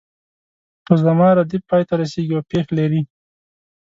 په زما ردیف پای ته رسیږي او پیښ لري.